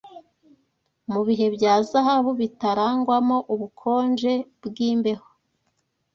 Mubihe bya zahabu, Bitarangwamo ubukonje bwimbeho